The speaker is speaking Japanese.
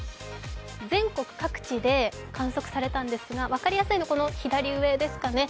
全国各地で、観測されたんですが分かりやすいのは左上ですかね。